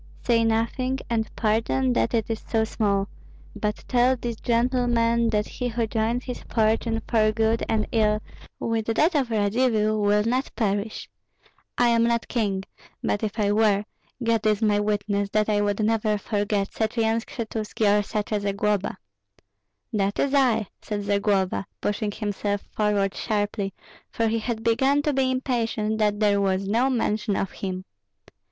"Say nothing, and pardon that it is so small; but tell these gentlemen that he who joins his fortune for good and ill with that of Radzivill will not perish. I am not king; but if I were, God is my witness that I would never forget such a Yan Skshetuski or such a Zagloba." "That is I!" said Zagloba, pushing himself forward sharply, for he had begun to be impatient that there was no mention of him.